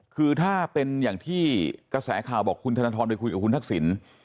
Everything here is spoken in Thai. คือถ้าเป็นอย่างที่กระแสข่าวบอกคุณธนทรไปคุยกับคุณทักษิณ